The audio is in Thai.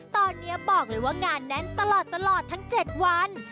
ตอนนี้บอกเลยว่างานแน่นตลอดทั้ง๗วัน